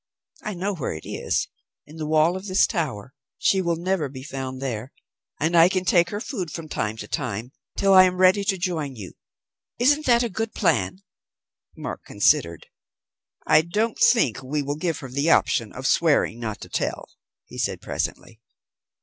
I know where it is, in the wall of this tower. She will never be found there, and I can take her food from time to time till I am ready to join you. Isn't that a good plan?" Mark considered. "I don't think we will give her the option of swearing not to tell," he said presently.